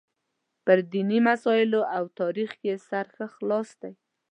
په دیني مسایلو او تاریخ یې سر ښه خلاص دی.